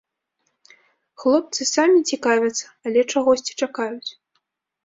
Хлопцы самі цікавяцца, але чагосьці чакаюць.